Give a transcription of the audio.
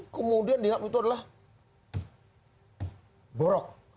kemudian dianggap itu adalah borok